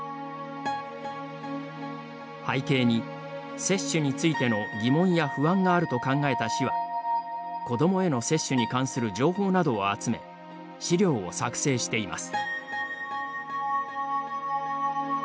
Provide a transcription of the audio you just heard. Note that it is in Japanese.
背景に、接種についての疑問や不安があると考えた市は子どもへの接種に関する情報などを集め資料を作成しています。